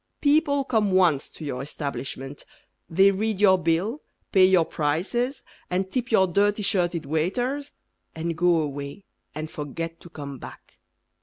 People come once to your establishment, They read your bill, Pay your prices And tip your dirty shirted waiters, And go away And forget to come back.